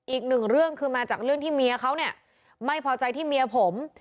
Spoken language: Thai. อีกหนึ่งเรื่องคือมาจากเรื่องที่เมียเขาเนี่ยไม่พอใจที่เมียผม